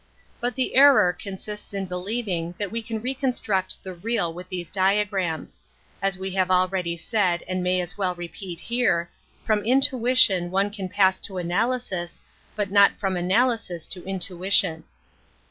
A^But the error consists in believing that we can reconstruct the real with these dia grams. As we have already said and may as well repeat here — from intuition one can pass to^naljsis, but not from analyaia to intuition.